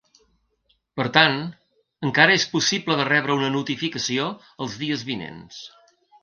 Per tant, encara és possible de rebre una notificació els dies vinents.